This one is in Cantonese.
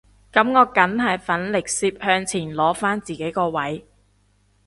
噉我梗係奮力攝向前攞返自己個位